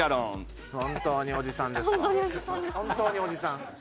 本当におじさんですね。